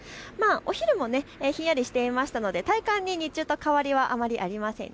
お昼もひんやりしていましたので体感に日中と変わりはあまりありません。